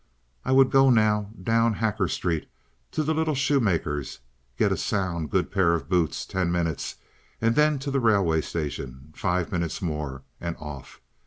I would go now down Hacker Street to the little shoemaker's—get a sound, good pair of boots—ten minutes—and then to the railway station—five minutes more—and off!